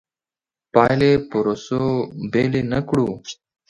پایلې پروسو بېلې نه کړو.